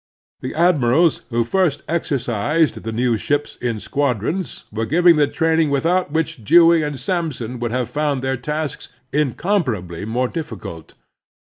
The admirals who first exer cised the new ships in squadrons were giving the training without which Dewey and Sampson would have foimd their tasks incomparably more diffi cult.